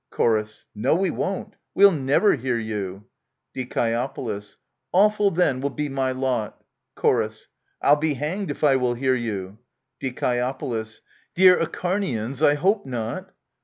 Chor. No, we won't — we'll never hear you ! Die. Awful, then, will be my lot ! Chor. I'll be hanged if I will hear you ! Die. Dear Acharnians, I hope not